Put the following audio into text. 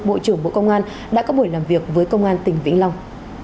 bộ trưởng bộ công an đã có buổi làm việc với công an tỉnh vĩnh long